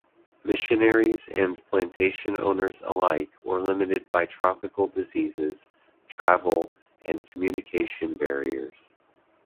Missionaries and plantation owners alike were limited by tropical diseases, travel, and communication barriers.